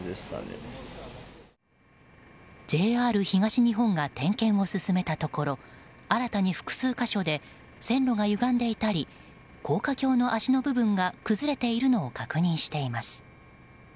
ＪＲ東日本が点検を進めたところ新たに複数箇所で線路がゆがんでいたり高架橋の足の部分が崩れているのを確認しています。